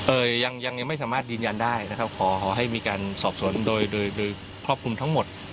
ยังยังไม่สามารถยืนยันได้นะครับขอขอให้มีการสอบสวนโดยโดยโดยครอบคลุมทั้งหมด